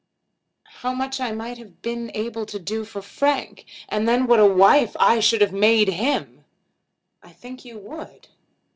How much I might have been able to do for Frank! And then what a wife I should have made him!" "I think you would."